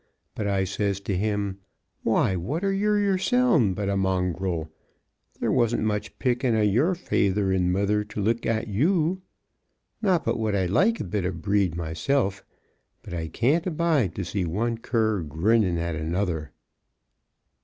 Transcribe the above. But I says to him, "Why, what are you yoursen but a mongrel? There wasn't much pickin' o' YOUR feyther an' mother, to look at you." Not but what I like a bit o' breed myself, but I can't abide to see one cur grinnin' at another.